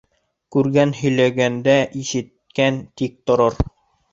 Күргән һөйләгәндә, ишеткән тик торор.